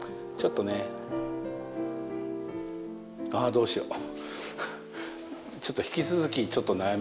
△どうしよう。